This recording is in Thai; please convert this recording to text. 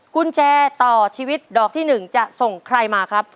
กุญแจต่อชีวิตดอกที่๑จะส่งใครมาครับ